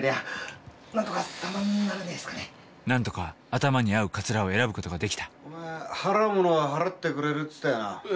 何とか頭に合うかつらを選ぶ事ができた払うものは払ってくれるって言ったよな。